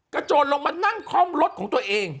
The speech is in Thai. โจรลงมานั่งคล่อมรถของตัวเอง